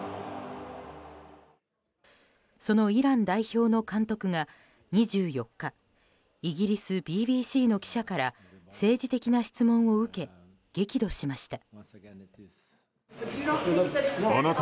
そのイラン代表の監督が２４日イギリスＢＢＣの記者から政治的な質問を受け激怒しました。